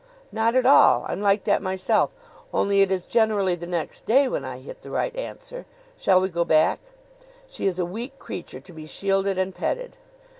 "Not at all. I'm like that myself only it is generally the next day when I hit the right answer. Shall we go back? ... She is a weak creature, to be shielded and petted."